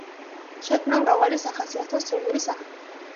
შექმნა მრავალი სახასიათო სცენური სახე.